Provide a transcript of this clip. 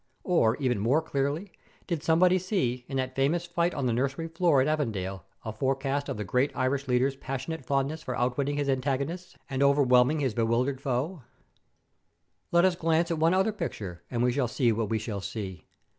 Or, even more clearly, did somebody see, in that famous fight on the nursery floor at Avondale, a forecast of the great Irish leader's passionate fondness for outwitting his antagonists and overwhelming his bewildered foe? Then let us glance at one other picture, and we shall see what we shall see!